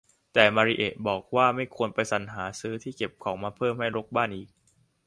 แต่มาริเอะบอกว่าไม่ควรไปสรรหาซื้อที่เก็บของมาเพิ่มให้รกบ้านอีก